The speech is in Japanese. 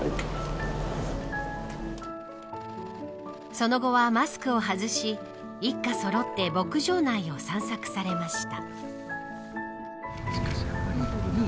その後はマスクを外し一家そろって牧場内を散策されました。